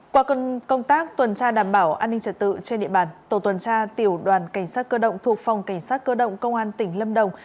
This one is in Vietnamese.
qua công tác tuần tra đảm bảo an ninh trật tự trên địa bàn tổ tuần tra tiểu đoàn cảnh sát cơ động thuộc phòng cảnh sát cơ động công an tỉnh lâm đồng